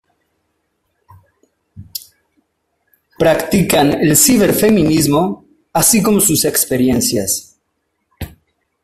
practican el ciberfeminismo, así como sus experiencias